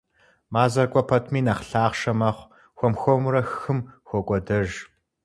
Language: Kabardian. Мазэр кӀуэ пэтми нэхъ лъахъшэ мэхъу, хуэм-хуэмурэ хым хокӀуэдэж.